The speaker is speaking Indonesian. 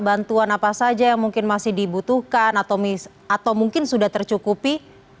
bantuan apa saja yang mungkin masih dibutuhkan atau mungkin sudah tercukupi